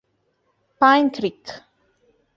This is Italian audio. Pine Creek